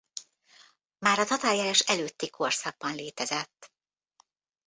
Már a tatárjárás előtti korszakban létezett.